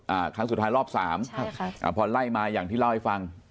อ่าครั้งสุดท้าย๓อ่าพอไล่มาอย่างที่เล่าให้ฟัง